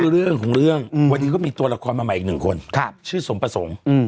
เรื่องของเรื่องวันนี้ก็มีตัวละครมาใหม่อีกหนึ่งคนชื่อสมประสงค์